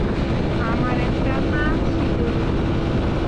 আমার একটা মা ছিল।